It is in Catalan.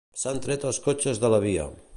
S'han tret els cotxes de la via.